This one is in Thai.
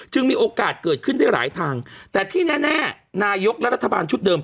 มีโอกาสเกิดขึ้นได้หลายทางแต่ที่แน่นายกและรัฐบาลชุดเดิม